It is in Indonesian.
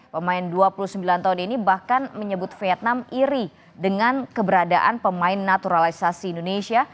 pemain dua puluh sembilan tahun ini bahkan menyebut vietnam iri dengan keberadaan pemain naturalisasi indonesia